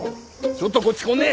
ちょっとこっちこんね！